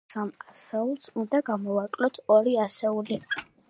ბოლოს, სამ ასეულს უნდა გამოვაკლოთ ორი ასეული.